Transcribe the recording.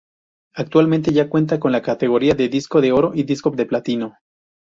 Actualmente ya cuenta con la categoría de Disco de Oro y Disco de Platino.